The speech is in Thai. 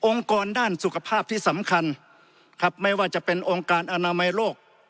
กรด้านสุขภาพที่สำคัญครับไม่ว่าจะเป็นองค์การอนามัยโลก